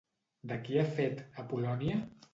De qui ha fet a Polònia?